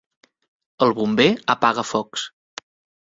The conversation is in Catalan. El bomber apaga focs.